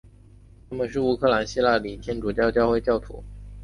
他们是乌克兰希腊礼天主教会教徒。